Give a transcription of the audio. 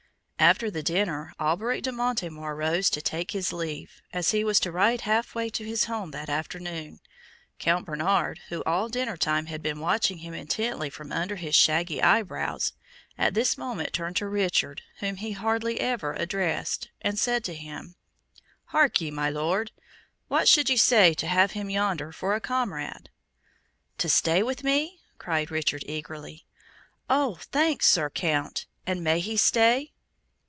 After the dinner, Alberic de Montemar rose to take his leave, as he was to ride half way to his home that afternoon. Count Bernard, who all dinner time had been watching him intently from under his shaggy eye brows, at this moment turned to Richard, whom he hardly ever addressed, and said to him, "Hark ye, my Lord, what should you say to have him yonder for a comrade?" "To stay with me?" cried Richard, eagerly. "Oh, thanks, Sir Count; and may he stay?"